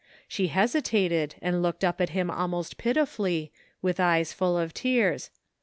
She hesitated and looked up at him almost pitifully, with eyes full of tears.